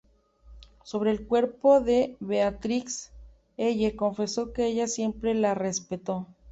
Sobre el cuerpo de Beatrix, Elle confesó que ella siempre la respetó.